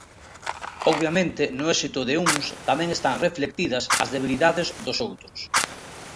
Obviamente no éxito de uns tamén están reflectidas as debilidades dos outros.